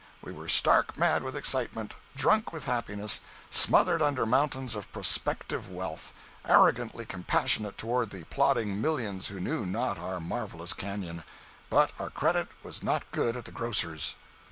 We were stark mad with excitement—drunk with happiness—smothered under mountains of prospective wealth—arrogantly compassionate toward the plodding millions who knew not our marvellous canyon—but our credit was not good at the grocer's.